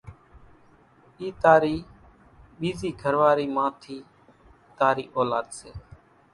اِي تارِي ٻيزي گھرواري مان ٿي تاري اولاۮ سي